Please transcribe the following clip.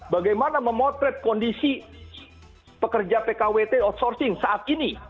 bagaimana memotret kondisi pekerja pkwt outsourcing saat ini